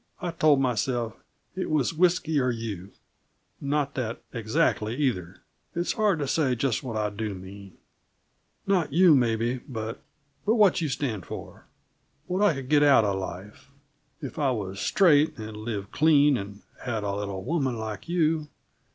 I told myself it was whisky or you; not that exactly, either. It's hard to say just what I do mean. Not you, maybe but what you stand for. What I could get out of life, if I was straight and lived clean, and had a little woman like you.